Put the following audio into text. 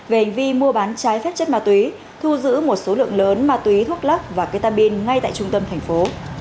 về hành vi mua bán trái phép chất ma túy thu giữ một số lượng lớn ma túy thuốc lắc và ketamin ngay tại trung tâm thành phố